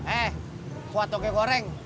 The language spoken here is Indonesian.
eh kuat toge goreng